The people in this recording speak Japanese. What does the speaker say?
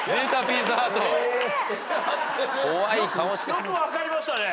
よく分かりましたね。